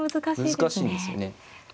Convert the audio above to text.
難しいんですよね。